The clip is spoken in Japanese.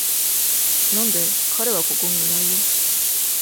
なんで、彼はここにいないよ。